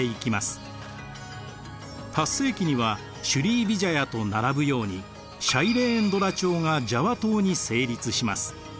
８世紀にはシュリーヴィジャヤと並ぶようにシャイレーンドラ朝がジャワ島に成立します。